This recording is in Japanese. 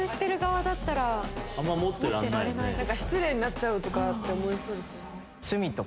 失礼になっちゃうとかって思いそうですよね。